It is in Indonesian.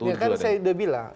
ya kan saya udah bilang